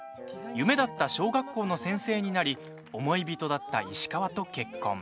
夢だった小学校の先生になり思い人だった石川と結婚。